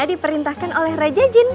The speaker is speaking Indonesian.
diperintahkan oleh raja jin